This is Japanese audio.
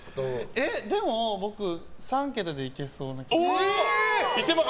でも僕３桁でいけそうな気がする。